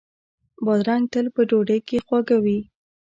بادرنګ تل په ډوډۍ کې خواږه وي.